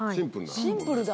シンプルだ。